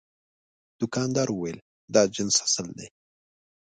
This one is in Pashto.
دوکاندار وویل دا جنس اصل دی.